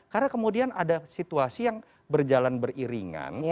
karena kemudian ada situasi yang berjalan beriringan